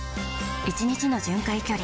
１日の巡回距離